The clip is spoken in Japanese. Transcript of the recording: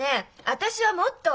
私はもっと。